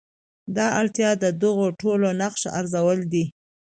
دا اړتیا د دغو ډلو نقش ارزول دي.